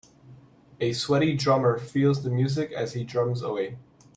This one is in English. A sweaty drummer feels the music as he drums away.